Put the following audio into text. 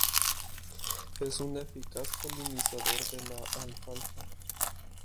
Es un eficaz polinizador de la alfalfa.